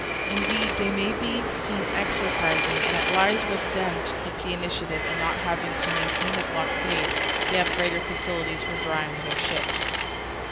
Indeed, they may be seen exercising, and it lies with them to take the initiative; and not having to maintain a blockade, they have greater facilities for drying their ships.